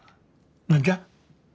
何じゃ？